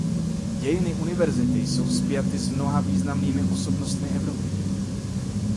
Dějiny univerzity jsou spjaty s mnoha významnými osobnostmi Evropy.